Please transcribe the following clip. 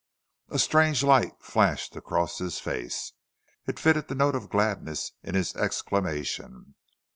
A strange light flashed across his face. It fitted the note of gladness in his exclamation.